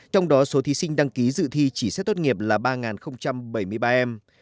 trong đó số thí sinh đăng ký dự thi chỉ xét tốt nghiệp là ba bảy mươi ba em